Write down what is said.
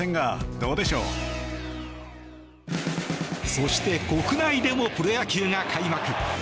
そして、国内でもプロ野球が開幕。